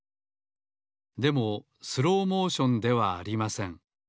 でもスローモーションではありません。